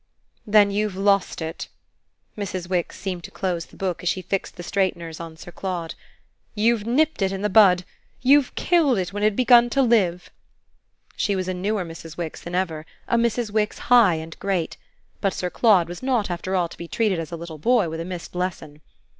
"Then you've lost it." Mrs. Wix seemed to close the book as she fixed the straighteners on Sir Claude. "You've nipped it in the bud. You've killed it when it had begun to live." She was a newer Mrs. Wix than ever, a Mrs. Wix high and great; but Sir Claude was not after all to be treated as a little boy with a missed lesson.